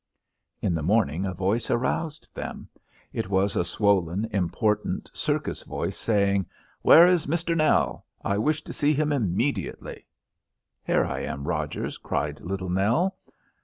In the morning a voice aroused them. It was a swollen, important, circus voice saying, "Where is Mr. Nell? I wish to see him immediately." "Here I am, Rogers," cried Little Nell.